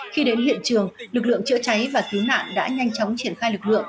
khi đến hiện trường lực lượng chữa cháy và cứu nạn đã nhanh chóng triển khai lực lượng